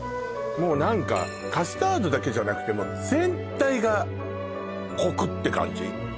もう何かカスタードだけじゃなくて全体がコクって感じ